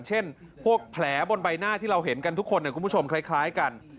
เช่นพวกแผลบนใบหน้าที่เราเห็นกันทุกคนคุณผู้ชมคล้ายกัน